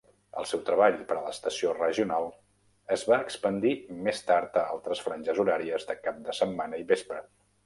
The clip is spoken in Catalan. El seu treball per a l'estació regional es va expandir més tard a altres franges horàries de cap de setmana i vespre.